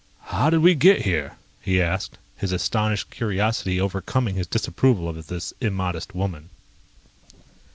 "How did we get here?" he asked, his astonished curiosity overcoming his disapproval of this immodest woman.